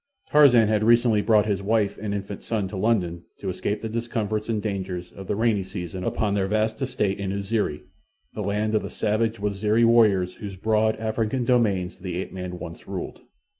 Tarzan had recently brought his wife and infant son to London to escape the discomforts and dangers of the rainy season upon their vast estate in Uziri—the land of the savage Waziri warriors whose broad African domains the ape man had once ruled.